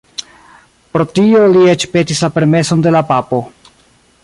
Pro tio li eĉ petis la permeson de la Papo.